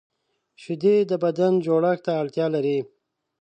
شیدې د بدن جوړښت ته اړتیا لري